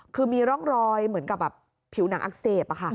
คือมีร่องรอยเหมือนกับแบบผิวหนังอักเสบ